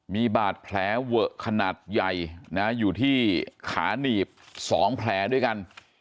มีบาดแผลเวอะขนาดใหญ่อยู่ที่ขาหนีบ๒แผลด้วยกัน